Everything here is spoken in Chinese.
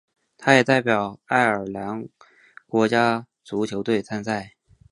他也代表北爱尔兰国家足球队参赛。